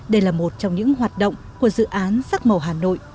đây là một trong những hoạt động của dự án sắc màu hà nội